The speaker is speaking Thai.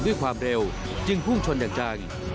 ด้วยความเร็วจึงพุ่งชนอย่างจัง